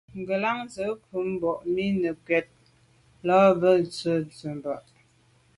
Ngelan ze nkum ba’ mi nekut là bag tswe’ tseba’.